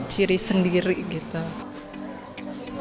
ciri sendiri gitu